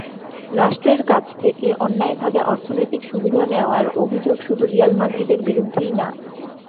রাষ্ট্রের কাছ থেকে অন্যায়ভাবে অর্থনৈতিক সুবিধা নেওয়ার অভিযোগ শুধু রিয়াল মাদ্রিদের বিরুদ্ধেই না।